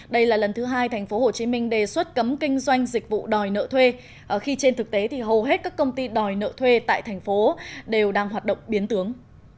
đây là lần thứ hai tp hcm đề xuất cấm kinh doanh dịch vụ đòi nợ thuê khi trên thực tế thì hầu hết các công ty đòi nợ thuê tại thành phố đều đang hoạt động biến tướng